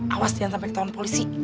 awas jangan sampai ketahuan polisi